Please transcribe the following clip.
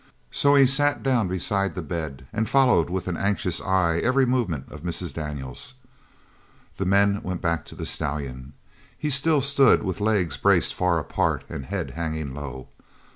So he sat down beside the bed and followed with an anxious eye every movement of Mrs. Daniels. The men went back to the stallion. He still stood with legs braced far apart, and head hanging low.